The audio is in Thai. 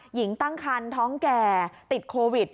หญิงตั้งคันท้องแก่ติดโควิด